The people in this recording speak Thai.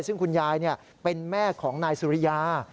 ซึ่งคุณยายเป็นแม่ของนายสุริยา